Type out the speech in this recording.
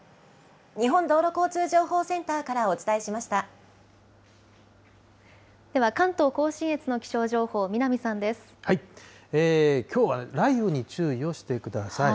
日本道路交通情報センターからおでは関東甲信越の気象情報、きょうは雷雨に注意をしてください。